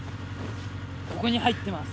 ここに入ってます。